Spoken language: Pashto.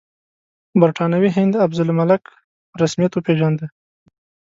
برټانوي هند افضل الملک په رسمیت وپېژانده.